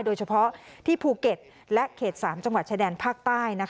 โดยเฉพาะที่ภูเก็ตและเขต๓จังหวัดชายแดนภาคใต้